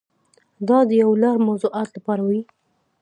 دا د یو لړ موضوعاتو لپاره وي.